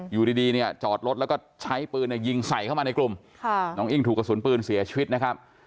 อยู่ดีเนี่ยจอดรถแล้วก็ใช้ปืนยิงใส่เข้ามาในกลุ่มน้องอิ้งถูกกระสุนปืนเสียชีวิตนะครับ